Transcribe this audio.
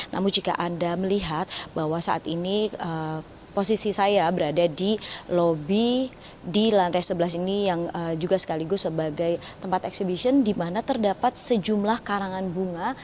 namun jika anda melihat bahwa saat ini posisi saya berada di lobi di lantai sebelas ini yang juga sekaligus sebagai tempat exhibition di mana terdapat sejumlah karangan bunga